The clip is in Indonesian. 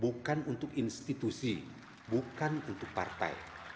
bukan untuk institusi bukan untuk partai